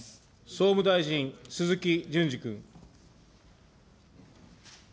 総務大臣、鈴木淳司君。